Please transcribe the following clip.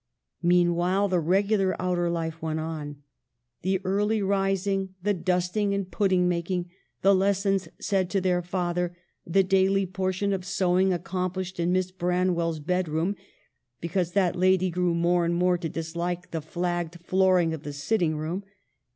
Meanwhile the regular outer life went on — the early rising, the dusting and pudding making, the lessons said to their father, the daily portion of sewing accomplished in Miss Branwell's bed room, because that lady grew more and more to dislike the flagged flooring of the sitting room.